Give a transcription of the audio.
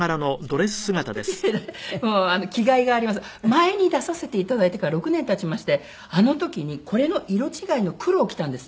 前に出させていただいてから６年経ちましてあの時にこれの色違いの黒を着たんです。